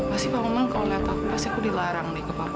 pasti pak ngoman kalau liat aku pasti aku dilarang deh ke papa